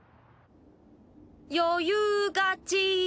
余裕勝ち。